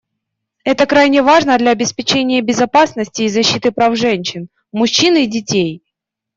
Это крайне важно для обеспечения безопасности и защиты прав женщин, мужчин и детей.